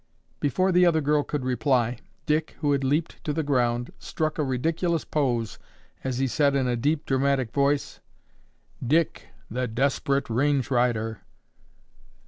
Before the other girl could reply, Dick, who had leaped to the ground, struck a ridiculous pose as he said in a deep, dramatic voice, "Dick, the Desperate Range Rider."